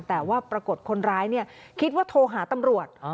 แต่ว่าปรากฏคนร้ายคิดว่าโทรหาตำรวจ